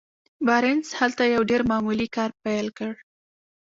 بارنس هلته يو ډېر معمولي کار پيل کړ.